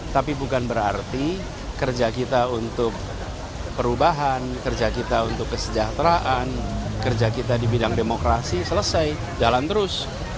tapi bukan berarti kerja kita untuk perubahan kerja kita untuk kesejahteraan kerja kita di bidang demokrasi selesai jalan terus